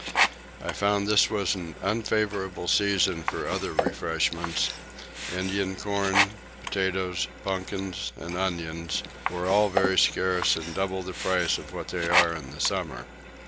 I found this was an unfavourable season for other refreshments: Indian corn, potatoes, pumpkins, and onions, were all very scarce and double the price of what they are in summer.